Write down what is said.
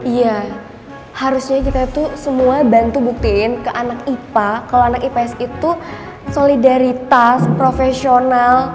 iya harusnya kita tuh semua bantu buktiin ke anak ipa kalau anak ips itu solidaritas profesional